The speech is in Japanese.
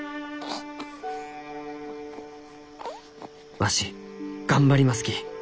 「わし頑張りますき。